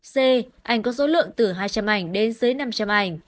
c ảnh có số lượng từ hai trăm linh ảnh đến dưới năm trăm linh ảnh